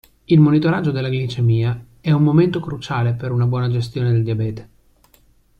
Il monitoraggio della glicemia è un momento cruciale per una buona gestione del diabete.